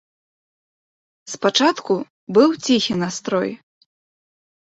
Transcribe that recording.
Спачатку быў ціхі настрой.